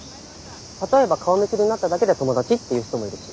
例えば顔見知りになっただけで友達っていう人もいるし。